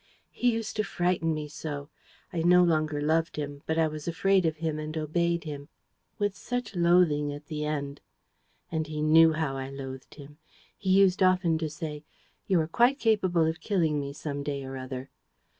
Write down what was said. He used to frighten me so! I no longer loved him, but I was afraid of him and obeyed him ... with such loathing, at the end! ... And he knew how I loathed him. He used often to say, 'You are quite capable of killing me some day or other.'